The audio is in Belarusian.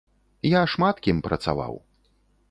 Я шмат кім працаваў.